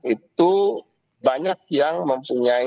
itu banyak yang mempunyai